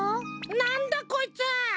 なんだこいつ！